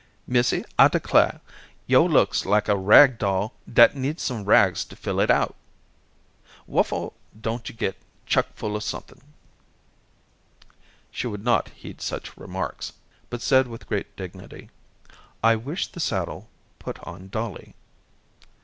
"Missy, I declah, yo' looks like a rag bag dat needs some rags to fill it out. Whaffor don't yo' get chuck full of somethin'?" She would not heed such remarks, but said with great dignity: "I wish the saddle put on Dollie."